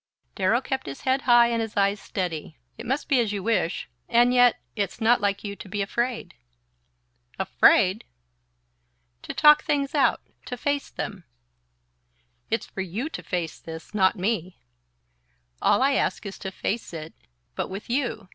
Darrow kept his head high and his eyes steady. "It must be as you wish; and yet it's not like you to be afraid." "Afraid?" "To talk things out to face them." "It's for YOU to face this not me!" "All I ask is to face it but with you."